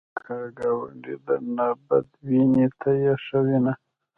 که ګاونډی درنه بد ویني، ته یې ښه وینه